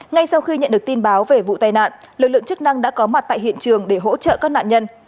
ngay sau khi nhận được tin báo về vụ tai nạn lực lượng chức năng đã có mặt tại hiện trường để hỗ trợ các nạn nhân